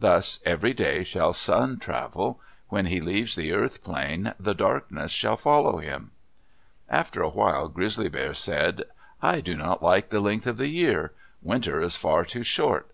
Thus every day shall Sun travel. When he leaves the Earth Plain, the darkness shall follow him." After a while, Grizzly Bear said, "I do not like the length of the year. Winter is far too short.